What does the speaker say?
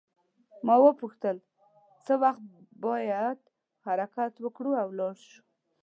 ما وپوښتل څه وخت باید حرکت وکړو او ولاړ شو.